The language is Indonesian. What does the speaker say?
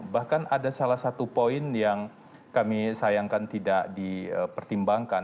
bahkan ada salah satu poin yang kami sayangkan tidak dipertimbangkan